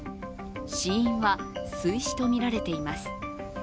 死因は水死とみられています。